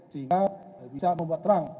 sehingga bisa membuat terang